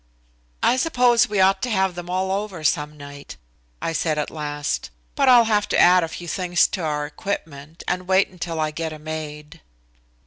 "I suppose we ought to have them all over some night," I said at last, "but I'll have to add a few things to our equipment, and wait until I get a maid."